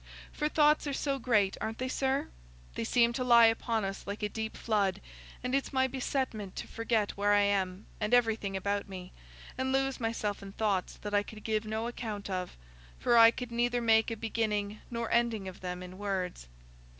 For thoughts are so great—aren't they, sir? They seem to lie upon us like a deep flood; and it's my besetment to forget where I am and everything about me, and lose myself in thoughts that I could give no account of, for I could neither make a beginning nor ending of them in words.